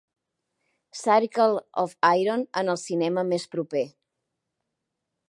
Circle of Iron en el cinema més proper